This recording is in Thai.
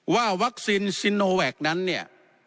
ว่าวัคซีนซิโนแวคนั้นเนี่ย